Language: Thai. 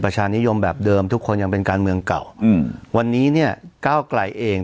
ชานิยมแบบเดิมทุกคนยังเป็นการเมืองเก่าอืมวันนี้เนี่ยก้าวไกลเอง